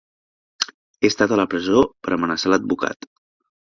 He estat a la presó per amenaçar l"advocat.